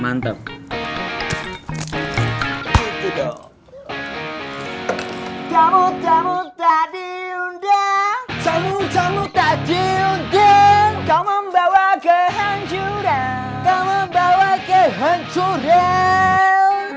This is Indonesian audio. kamu kamu tadi undang kamu kamu tadi undang kau membawa kehancuran kau membawa kehancuran